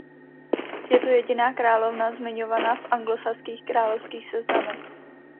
Je to jediná královna zmiňovaná v anglosaských královských seznamech.